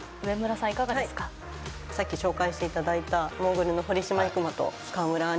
さっき紹介していただいたモーグルの堀島行真と川村あん